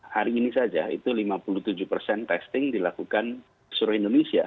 hari ini saja itu lima puluh tujuh persen testing dilakukan seluruh indonesia